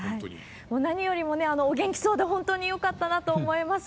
何よりもね、お元気そうで本当によかったなと思います。